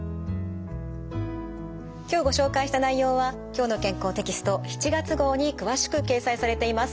今日ご紹介した内容は「きょうの健康」テキスト７月号に詳しく掲載されています。